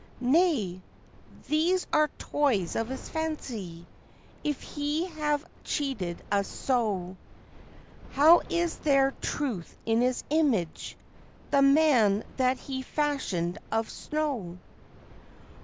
Nay! These are toys of his fancy! If he have cheated us so, How is there truth in his image the man that he fashioned of snow?"